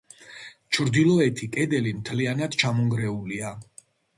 ჩრდილოეთი კედელი მთლიანად ჩამონგრეულია.